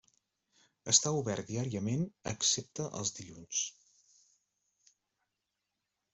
Està obert diàriament excepte els dilluns.